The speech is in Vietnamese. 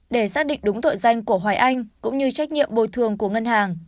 để xác định đúng tội danh của hoài anh cũng như trách nhiệm bồi thường của ngân hàng